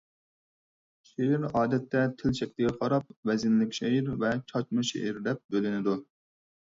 شېئىر ئادەتتە تىل شەكلىگە قاراپ ۋەزىنلىك شېئىر ۋە چاچما شېئىر دەپ بۆلۈنىدۇ.